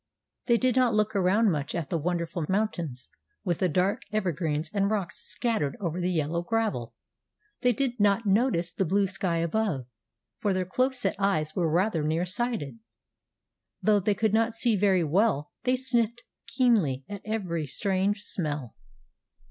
They did not look around much at the wonderful mountains, with the dark evergreens and rocks scattered over the yellow gravel. They did not notice the blue sky above, for their close set eyes were rather nearsighted. Though they could not see very well they sniffed keenly at every strange smell.